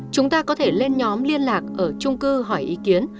chúng ta có thể lên nhóm liên lạc ở trung cư hỏi ý kiến